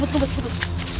buat buat buat